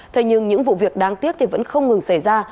thế nhưng những vụ việc đáng tiếc thì vẫn không ngừng xảy ra